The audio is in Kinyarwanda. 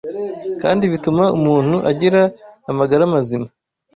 kandi bituma umuntu agira amagara mazima.